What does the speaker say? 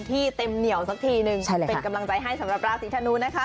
เป็นกำลังใจให้สำหรับราศีชะนูนะคะ